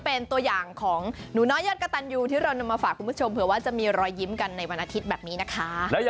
เผื่อว่าจะมีรอยยิ้มกันในวันอาทิตย์แบบนี้นะคะ